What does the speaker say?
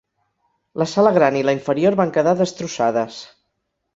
La sala gran i la inferior van quedar destrossades.